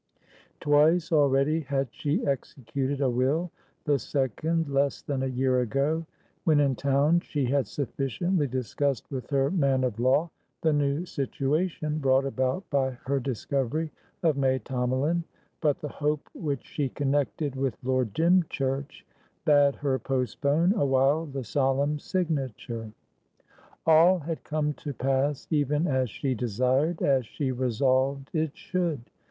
Twice already had she executed a will, the second less than a year ago. When in town, she had sufficiently discussed with her man of law the new situation brought about by her discovery of May Tomalin; but the hope which she connected with Lord Dymchurch bade her postpone awhile the solemn signature. All had come to pass even as she desired, as she resolved it should.